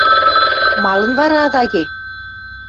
– Малын вара ада ке?